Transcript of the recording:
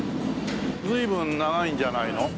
随分長いんじゃないの？